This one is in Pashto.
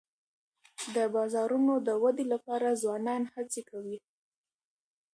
د بازارونو د ودي لپاره ځوانان هڅې کوي.